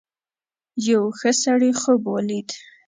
یو ښه سړي خوب ولید.